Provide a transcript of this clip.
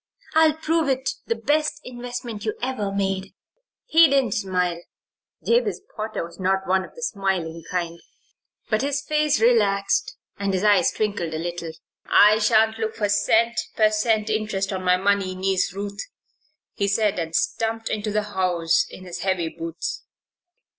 "I'll prove it the best investment you ever made." He didn't smile Jabez Potter was not one of the smiling kind; but his face relaxed and his eyes twinkled a little. "I sha'n't look for cent. per cent. interest on my money, Niece Ruth," he said, and stumped into the house in his heavy boots.